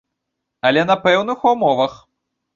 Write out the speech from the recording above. Але на пэўных умовах.